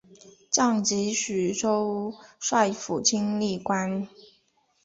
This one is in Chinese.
降级徐州帅府经历官。